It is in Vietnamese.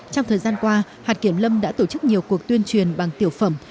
trong thời gian qua hạt kiểm lâm đã tổ chức nhiều cuộc tuyên truyền bằng tiểu phẩm